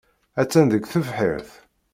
Attan deg tebḥirt.